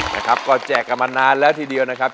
นะครับก็แจกกันมานานแล้วทีเดียวนะครับ